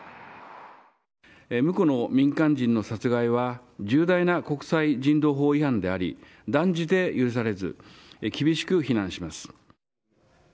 むこの民間人の殺害は、重大な国際人道法違反であり、断じて許されず、厳しく非難します。